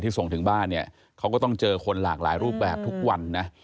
ส่งถึงบ้านเนี่ยเขาก็ต้องเจอคนหลากหลายรูปแบบทุกวันนะ